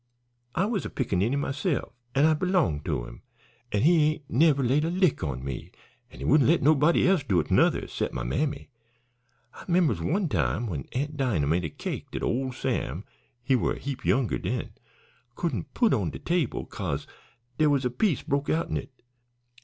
I was a pickaninny myse'f, an' I belonged to him. An' he ain't never laid a lick on me, an' he wouldn't let nobody else do 't nuther, 'cept my mammy. I 'members one time when Aunt Dinah made cake dat ole Sam he war a heap younger den couldn't put it on de table 'ca'se dere was a piece broke out'n it.